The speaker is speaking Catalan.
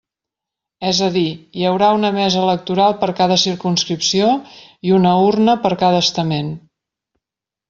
És a dir, hi haurà una mesa electoral per cada circumscripció i una urna per cada estament.